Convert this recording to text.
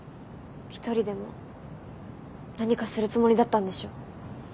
一人でも何かするつもりだったんでしょ。